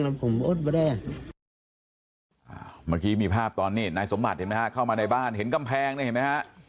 เมื่อกี้มีภาพตอนนี้นายสมบัติเห็นไหมฮะเข้ามาในบ้านเห็นกำแพงเนี่ยเห็นไหมฮะ